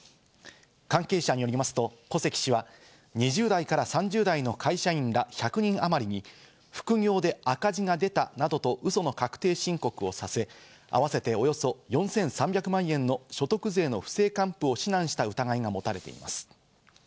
関係者によりますと、古関氏は２０代３０代の会社員ら、１００人あまりに副業で赤字が出たなどとウソの確定申告をさせ、あわせておよそ４３００万円の所得税の不正還付を指南した疑いが持たれています。